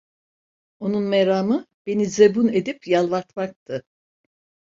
Onun meramı beni zebun edip yalvartmaktı.